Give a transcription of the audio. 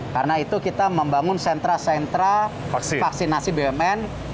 karena itu kita membangun sentra sentra vaksinasi bumn